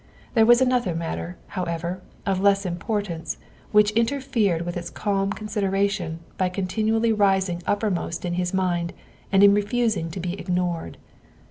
There was another matter, however, of less importance which in terfered with its calm consideration by continually rising uppermost in his mind and in refusing to be ignored.